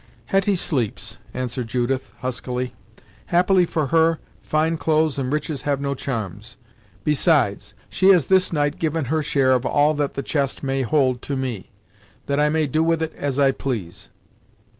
"Hetty sleeps " answered Judith, huskily. "Happily for her, fine clothes and riches have no charms. Besides she has this night given her share of all that the chest may hold to me, that I may do with it as I please."